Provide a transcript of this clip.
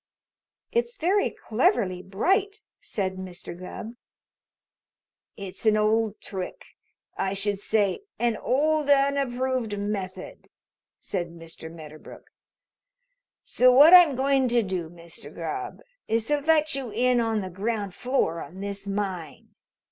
"It's very cleverly bright," said Mr. Gubb. "It's an old trick I should say an old and approved method," said Mr. Medderbrook. "So what I'm going to do, Mr. Gubb, is to let you in on the ground floor on this mine.